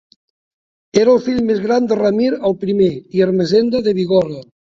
Era el fill més gran de Ramir el Primer i Ermessenda de Bigorra.